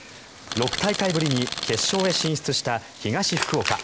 ６大会ぶりに決勝へ進出した東福岡。